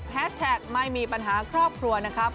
แท็กไม่มีปัญหาครอบครัวนะครับ